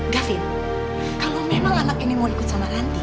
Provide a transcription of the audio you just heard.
gavien kalau memang anak ini mau ikut sama nanti